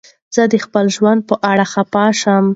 زه د خپل ژوند په اړه خفه شوم.